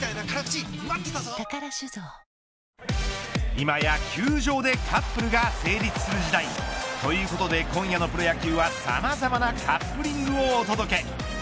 今や球場でカップルが成立する時代。ということで今夜のプロ野球はさまざまなカップリングをお届け。